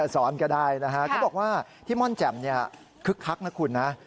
ซ้อนก็ได้นะฮะเขาบอกว่าที่ม่อนแจ่มเนี่ยคึกคักนะคุณนะ